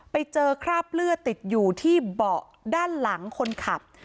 ไปเจอคราบเลือดติดอยู่ที่เบาะด้านหลังคนขับ